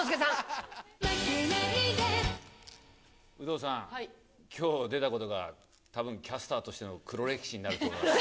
有働さん、きょう出たことが、たぶんキャスターとしての黒歴史になると思います。